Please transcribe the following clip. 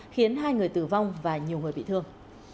khiến hai người tử vong và nhiều người bị thương